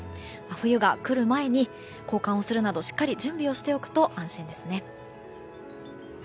冬が来る前に交換するなどしっかり準備しておくと安心ですね。